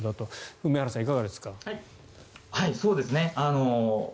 梅原さん、いかがですか？